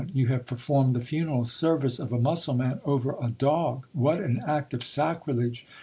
You have performed the funeral service of a Mussulman over a dog. What an act of sacrilege